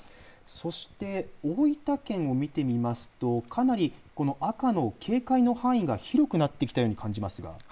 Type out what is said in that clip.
そして大分県を見てみますとかなり赤の警戒の範囲が広くなってきたように感じます。